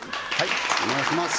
お願いします